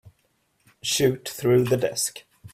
Shoot through the desk.